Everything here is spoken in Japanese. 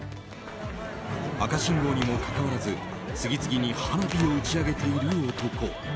赤信号にもかかわらず次々に花火を打ち上げている男。